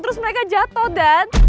terus mereka jatuh dad